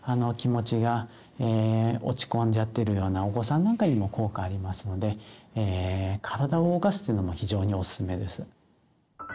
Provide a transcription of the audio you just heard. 気持ちが落ち込んじゃってるようなお子さんなんかにも効果ありますので体を動かすというのも非常におすすめです。